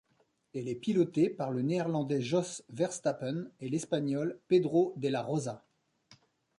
Elle est pilotée par le Néerlandais Jos Verstappen et l'Espagnol Pedro de la Rosa.